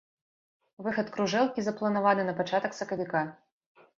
Выхад кружэлкі запланаваны на пачатак сакавіка.